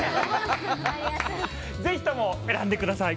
ぜひとも選んでください！